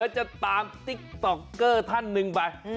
แล้วจะตามติ๊กต๊อกเกอร์ท่านหนึ่งไป